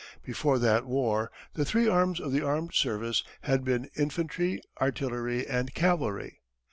Before that war the three arms of the armed service had been infantry, artillery, and cavalry.